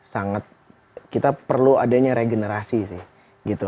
sangat kita perlu adanya regenerasi sih gitu